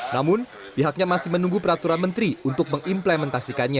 namun pihaknya masih menunggu peraturan menteri untuk mengimplementasikannya